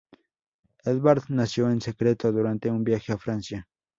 Edvard nació en secreto durante un viaje a Francia.